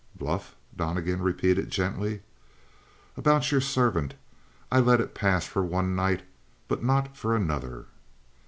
"Bluff!" Donnegan repeated gently. "About your servant. I let it pass for one night, but not for another."